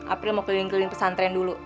april mau keliling keliling pesantren dulu